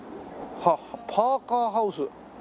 はあパーカーハウス。